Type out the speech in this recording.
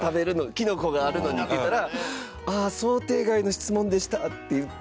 きのこがあるのにって言ったら想定外の質問でしたって言って。